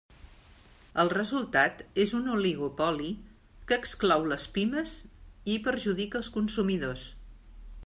El resultat és un oligopoli que exclou les pimes i perjudica els consumidors.